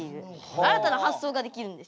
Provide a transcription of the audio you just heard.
新たな発想ができるんですよ。